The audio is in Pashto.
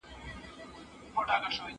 زه به سبا د ژبي تمرين وکړم؟!